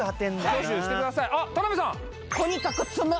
挙手してくださいあっ田辺さん